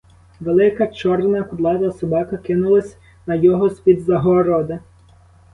Велика, чорна, кудлата собака кинулась на його з-під загороди.